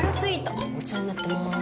お世話になってます。